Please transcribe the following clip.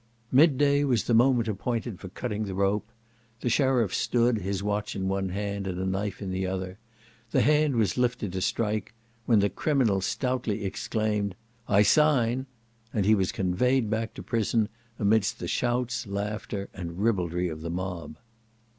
Midday was the moment appointed for cutting the rope; the sheriff stood, his watch in one hand, and a knife in the other; the hand was lifted to strike, when the criminal stoutly exclaimed, "I sign;" and he was conveyed back to prison, amidst the shouts, laughter, and ribaldry of the mob.